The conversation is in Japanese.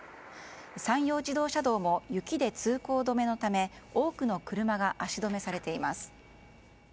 山陽自動車道も雪で通行止めのため多くの車が足止めされています。